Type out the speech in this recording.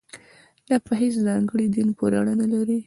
دا په هېڅ ځانګړي دین پورې اړه نه لري.